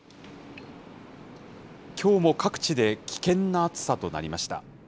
きょうも各地で危険な暑さとなりました。